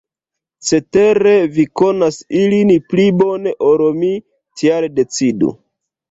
Cetere vi konas ilin pli bone ol mi, tial decidu.